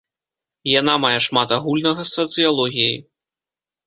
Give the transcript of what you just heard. Яна мае шмат агульнага з сацыялогіяй.